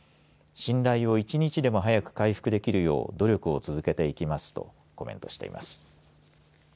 信頼を１日でも早く回復できるよう努力を続けていきますとコメントしています。